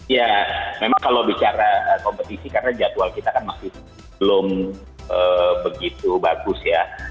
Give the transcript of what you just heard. ya memang kalau bicara kompetisi karena jadwal kita kan masih belum begitu bagus ya